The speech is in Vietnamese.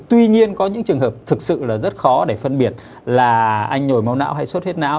tuy nhiên có những trường hợp thực sự là rất khó để phân biệt là anh nhồi máu não hay sốt huyết não